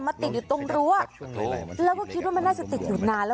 ติดอยู่ตรงรั้วแล้วก็คิดว่ามันน่าจะติดอยู่นานแล้ว